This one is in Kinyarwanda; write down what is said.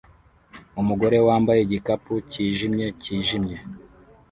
Umugore wambaye igikapu cyijimye cyijimye